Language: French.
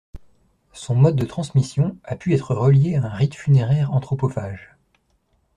Son mode de transmission a pu être relié à un rite funéraire anthropophage.